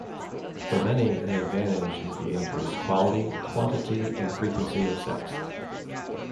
For many, an advantage is the increased quality, quantity and frequency of sex.